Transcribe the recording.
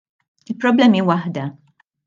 Il-problema hi waħda.